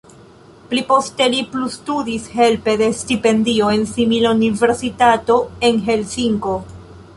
Pli poste li plustudis helpe de stipendio en simila universitato en Helsinko.